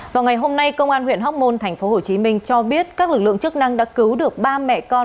vào ngày hôm nay công an huyện hóc môn tp hcm cho biết các lực lượng chức năng đã cứu được ba mẹ con